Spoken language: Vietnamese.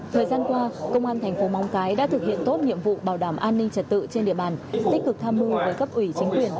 thời gian qua công an thành phố móng cái đã thực hiện tốt nhiệm vụ bảo đảm an ninh trật tự trên địa bàn tích cực tham mưu với cấp ủy chính quyền